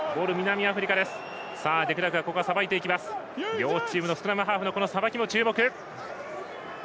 両チームのスクラムハーフのさばきも注目。